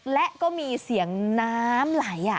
และก็มีเสียงน้ำไหล